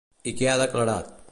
I què ha declarat?